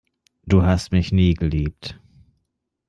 Du hast mich nie geliebt.